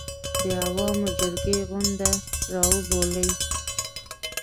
د عوامو جرګې غونډه راوبولي